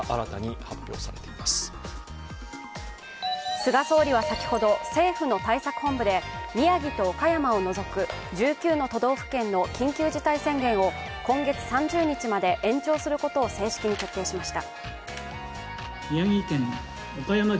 菅総理は先ほど政府の対策本部で宮城と岡山を除く１９の都道府県の緊急事態宣言を今月３０日まで延長することを正式に決定しました。